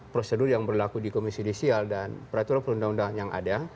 prosedur yang berlaku di komisi judisial dan peraturan perundang undang yang ada